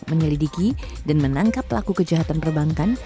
menyelidiki dan menangkap pelaku kejahatan perbankan